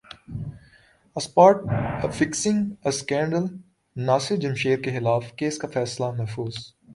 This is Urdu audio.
اسپاٹ فکسنگ اسکینڈلناصر جمشید کیخلاف کیس کا فیصلہ محفوظ